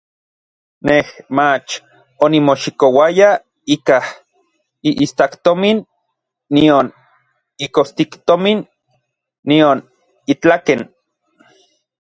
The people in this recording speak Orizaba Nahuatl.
Nej mach onimoxikouaya ikaj iistaktomin nion ikostiktomin, nion itlaken.